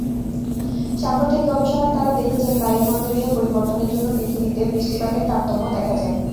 সাম্প্রতিক গবেষণায় তাঁরা দেখেছেন, বায়ুমণ্ডলীয় পরিবর্তনের জন্য পৃথিবীতে বৃষ্টিপাতের তারতম্য দেখা যায়।